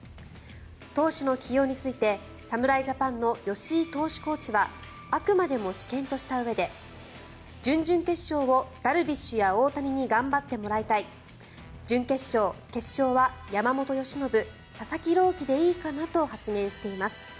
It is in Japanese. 投手の起用について侍ジャパンの吉井投手コーチはあくまでも私見としたうえで準々決勝をダルビッシュや大谷に頑張ってもらいたい準決勝、決勝は山本由伸佐々木朗希でいいかなと発言しています。